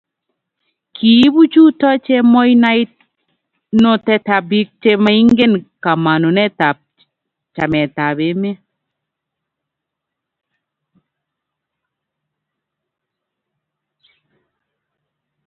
kiibu chuto chemoitnotetab biik che maingen kamanutab chametab emet.